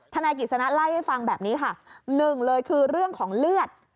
นายกิจสนะเล่าให้ฟังแบบนี้ค่ะหนึ่งเลยคือเรื่องของเลือด